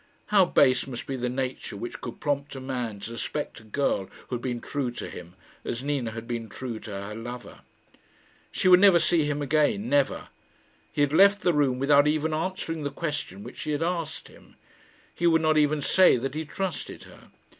How base must be the nature which could prompt a man to suspect a girl who had been true to him as Nina had been true to her lover! She would never see him again never! He had left the room without even answering the question which she had asked him. He would not even say that he trusted her.